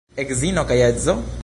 Edzino kaj edzo?